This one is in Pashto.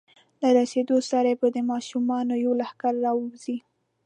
له رسېدو سره به د ماشومانو یو لښکر راوځي.